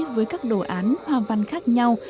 với các đồ án hoa văn khác nhau